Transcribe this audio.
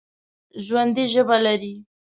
ژوندي ژبه لري